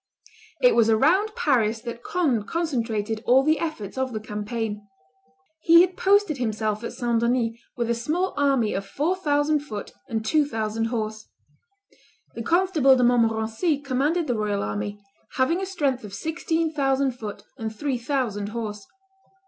It was around Paris that Conde concentrated all the efforts of the campaign. He had posted himself at St. Denis with a small army of four thousand foot and two thousand horse. The Constable de Montmorency commanded the royal army, having a strength of sixteen thousand foot and three thousand horse.